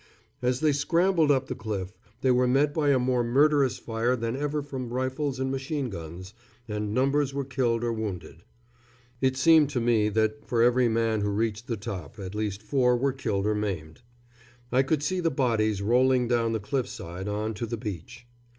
As they scrambled up the cliff they were met by a more murderous fire than ever from rifles and machine guns, and numbers were killed or wounded. It seemed to me that for every man who reached the top at least four were killed or maimed. I could see the bodies rolling down the cliff side on to the beach.